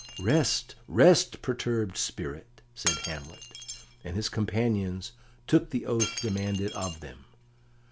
"Rest, rest, perturbed spirit!" said Hamlet, and his companions took the oath demanded of them.